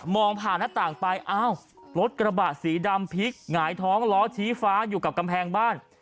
ผ่านหน้าต่างไปอ้าวรถกระบะสีดำพลิกหงายท้องล้อชี้ฟ้าอยู่กับกำแพงบ้าน